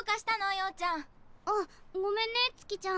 曜ちゃん。あっごめんね月ちゃん。